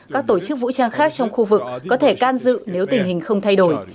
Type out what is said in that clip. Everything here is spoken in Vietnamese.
các tổ chức vũ trang khác trong khu vực có thể can dự nếu tình hình không thay đổi